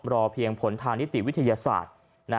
รอเพียงผลทางนิติวิทยาศาสตร์